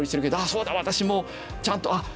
そうだ私もちゃんとあっ